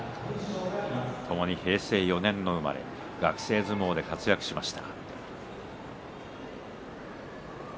ともに平成４年の生まれ学生相撲で活躍しました。